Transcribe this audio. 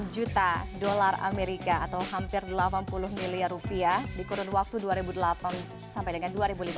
satu lima juta dolar amerika atau hampir delapan puluh miliar rupiah di kurun waktu dua ribu delapan sampai dengan dua ribu lima belas